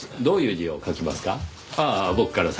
どういう字を書きますか？